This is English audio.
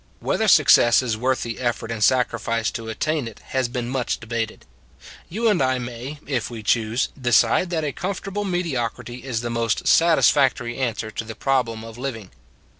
Whether success is worth the effort and sacrifice to attain it has been much debated. You and I may, if we choose, decide that a comfortable mediocrity is the most satis factory answer to the problem of living.